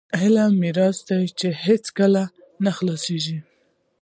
علم میراث دی چې هیڅکله نه خلاصیږي.